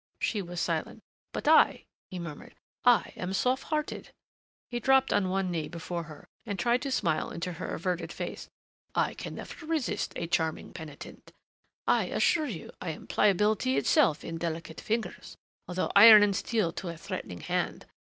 She was silent. "But I," he murmured, "I am soft hearted." He dropped on one knee before her and tried to smile into her averted face. "I can never resist a charming penitent.... I assure you I am pliability itself in delicate fingers although iron and steel to a threatening hand....